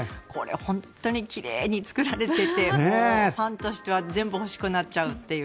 本当に奇麗に作られていてファンとしては全部欲しくなっちゃうという。